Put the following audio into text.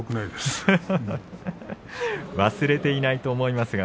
忘れていないと思いますよ。